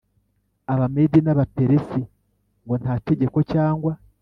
Abamedi n Abaperesi ngo nta tegeko cyangwa